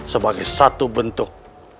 sebagai satu bentuk